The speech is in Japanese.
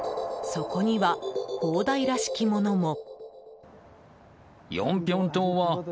そこには砲台らしきものも。